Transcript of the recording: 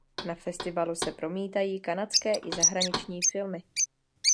Na festivalu se promítají kanadské i zahraniční filmy.